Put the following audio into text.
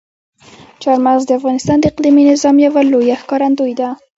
چار مغز د افغانستان د اقلیمي نظام یوه لویه ښکارندوی ده.